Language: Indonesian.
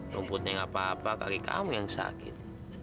rumputnya gak apa apa kaki kamu yang sakit